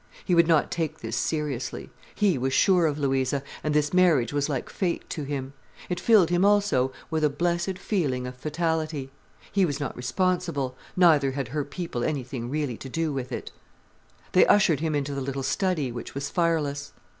He would not take this seriously. He was sure of Louisa, and this marriage was like fate to him. It filled him also with a blessed feeling of fatality. He was not responsible, neither had her people anything really to do with it. They ushered him into the little study, which was fireless.